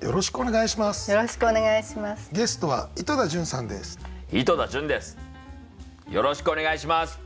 よろしくお願いします。